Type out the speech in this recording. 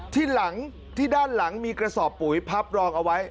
ที่หลังที่ด้านหลังมีกระสอบปุ๋ยพับรองเอาไว้